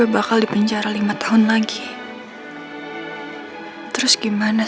udah seribu hari gue disini